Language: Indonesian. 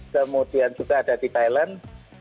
kemudian juga ada di thailand